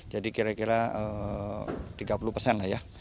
jadi kira kira tiga puluh persen lah ya